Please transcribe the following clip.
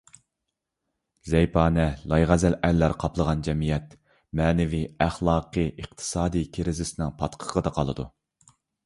زەيپانە، لايغەزەل ئەرلەر قاپلىغان جەمئىيەت مەنىۋى، ئەخلاقىي، ئىقتىسادىي كرىزىسنىڭ پاتقىقىدا قالىدۇ.